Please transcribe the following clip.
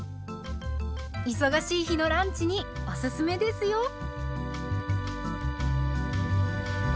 忙しい日のランチにおすすめですよ。